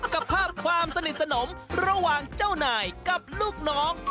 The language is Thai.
กับภาพความสนิทสนมระหว่างเจ้านายกับลูกน้อง